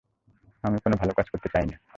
আমি কোনো ভালো কাজ করতে চাই না।